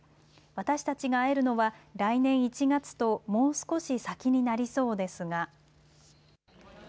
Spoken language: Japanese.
私たちが会えるのは来年１月ともう少し先になりそうですが。